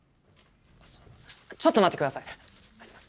ちょっと待って下さい。